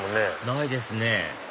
ないですね